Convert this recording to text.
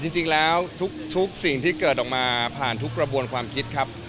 จริงแล้วทุกสิ่งที่เกิดออกมาผ่านทุกกระบวนความคิดครับ